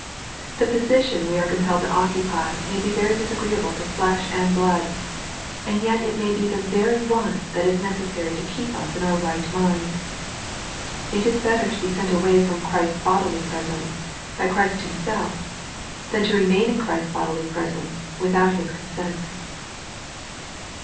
The position we are com pelled to occupy may be very disagreeable to flesh and blood, and yet it may be the very one that is necessary to keep us in our right mind. It is better to be sent away from Christ's bodily presence, by Christ Himself, than to remain in Christ's bodily presence without His consent.